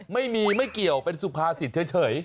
ไม่มีไม่เกี่ยวเป็นสุภาษิตเฉย